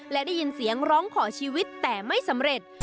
และได้ยินเสียงร้องขอชีวิตแต่ไม่สำเร็จ